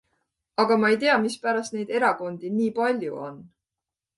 Aga ma ei tea, mispärast neid erakondi nii palju on.